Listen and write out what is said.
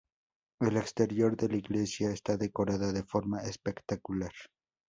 El exterior de la iglesia está decorada de forma espectacular.